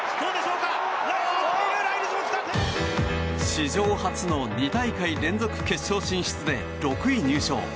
史上初の２大会連続決勝進出で６位入賞。